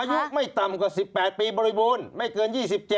อายุไม่ต่ำกว่า๑๘ปีบริบูรณ์ไม่เกิน๒๗